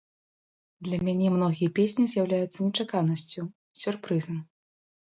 Для мяне многія песні з'яўляюцца нечаканасцю, сюрпрызам.